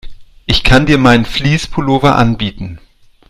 Ich kann dir meinen Fleece-Pullover anbieten.